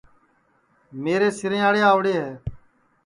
میرے سُِرئینٚئاڑے آؤڑے ہے